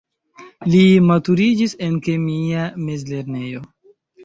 Li maturiĝis en kemia mezlernejo.